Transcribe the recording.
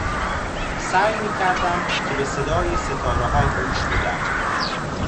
سعی می کردم که به صدای ستاره ها گوش بدم